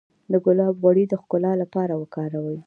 د ګلاب غوړي د ښکلا لپاره وکاروئ